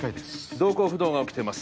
瞳孔不同が起きてます